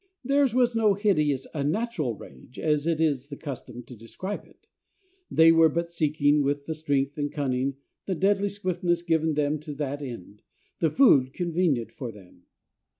Theirs was no hideous or unnatural rage, as it is the custom to describe it. They were but seeking with the strength, the cunning, the deadly swiftness given them to that end, the food convenient for them.